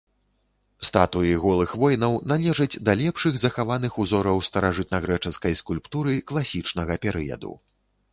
Статуі голых воінаў належаць да лепшых захаваных узораў старажытнагрэчаскай скульптуры класічнага перыяду.